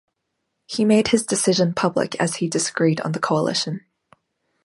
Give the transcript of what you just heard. He made his decision public as he disagreed on the coalition.